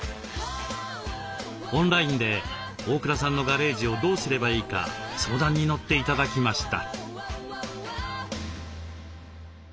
オンラインで大倉さんのガレージをどうすればいいか相談に乗って頂きました。